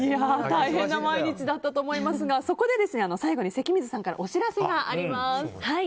大変な毎日だったと思いますが最後に関水さんからお知らせがあります。